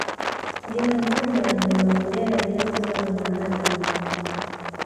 Mlima Gonja na Milima ya Gulela bila kusahau Mlima Hanang